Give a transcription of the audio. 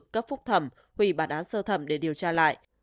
cấp phúc thẩm hủy bản án sơ thẩm để điều tra lại